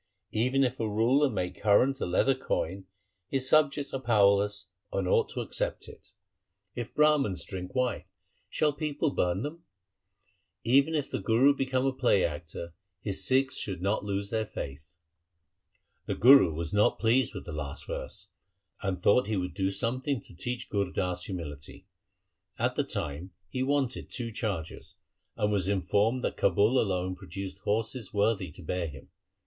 Even if a ruler make current a leather coin, the subjects are powerless, and ought to accept it. 1 Untipe crops are frequently cut in the East. 2 Asa. THE SIKH RELIGION If Brahmans drink wine, shall people burn them ? 1 Even if the Guru become a play actor, his Sikhs should not lose their faith. The Guru was not pleased with the last verse, and thought he would do something to teach Gur Das humility. At the time he wanted two chargers, and was informed that Kabul alone produced horses worthy to bear him.